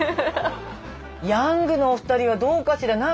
ヤングのお二人はどうかしら。